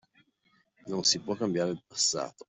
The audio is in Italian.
Non si può cambiare il passato.